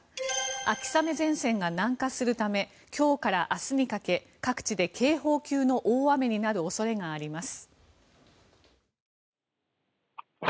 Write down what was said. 秋雨前線が南下するため今日から明日にかけ各地で警報級の大雨になる恐れがあります。